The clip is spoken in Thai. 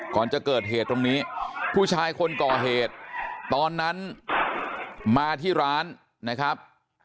ก่อนจะเกิดเหตุตรงนี้ผู้ชายคนก่อเหตุตอนนั้นมาที่ร้านนะครับ